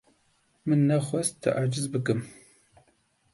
Min nexwest te aciz bikim.